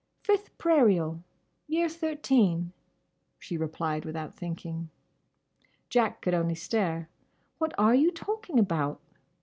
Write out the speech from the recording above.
Fifth Prairial. Year Thirteen—" she replied without thinking. Jack could only stare. "What are you talking about?"